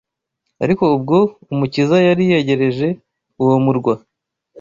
Ariko ubwo Umukiza yari yegereje uwo murwa,